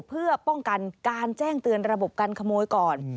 เพื่อป้องกันการแจ้งเตือนระบบการขโมยก่อน